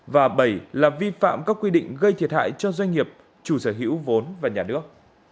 và bảy là vi phạm các quy định gây thiệt hại cho doanh nghiệp chủ sở hữu vốn và nhà nước